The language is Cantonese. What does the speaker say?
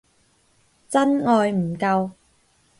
真愛唔夠